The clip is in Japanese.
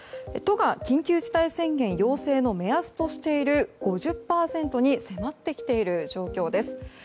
都が緊急事態宣言要請の目安としている５０％に迫ってきている状況です。